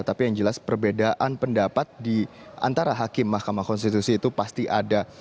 tapi yang jelas perbedaan pendapat di antara hakim mahkamah konstitusi itu pasti ada